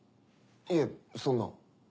いえそんな。